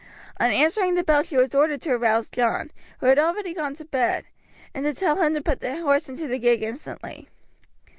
On answering the bell she was ordered to arouse John, who had already gone to bed, and to tell him to put the horse into the gig instantly.